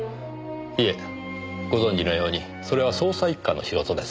いえご存じのようにそれは捜査一課の仕事です。